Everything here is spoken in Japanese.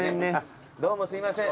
どうもすいません